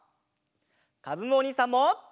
かずむおにいさんも！